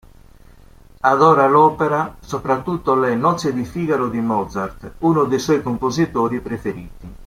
Adora l'opera, soprattutto "Le nozze di Figaro" di Mozart, uno dei suoi compositori preferiti.